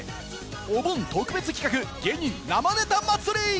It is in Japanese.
お盆特別企画、芸人生ネタ祭。